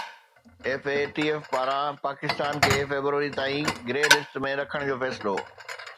F A T F پاران پاڪستان کي February تائين گري لسٽ ۾ رکڻ جو فيصلو